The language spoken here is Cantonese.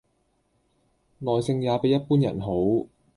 耐性也比一般人好